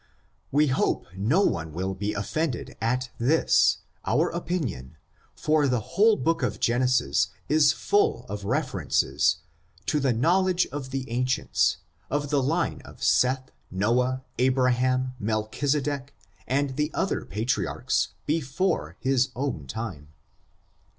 We hope no one will be offended at this, our opin ion, for the whole book of Genesis is full of refer ences, to the knowledge of the ancients, of the line of Seth, Noahy Abraham^ Melchisedec, and the other Patriarchs before his own time.